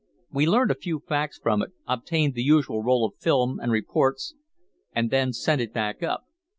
We learned a few facts from it, obtained the usual roll of film and reports, and then sent it back up.